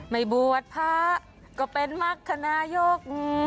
ไม่บวชพะก็เป็นมัคคณะยก